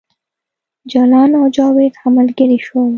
جلان او جاوید ښه ملګري شول